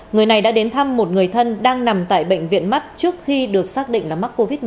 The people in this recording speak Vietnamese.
người này đã đến thăm một người thân đang nằm tại bệnh viện mắt trước khi được xác định là mắc covid một mươi chín